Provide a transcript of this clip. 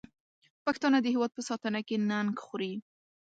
پښتانه د هېواد په ساتنه کې ننګ خوري.